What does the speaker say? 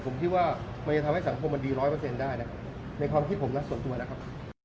ผมคิดว่ามันจะทำให้สังคมมันดี๑๐๐ได้นะครับในความคิดผมนะส่วนตัวนะครับ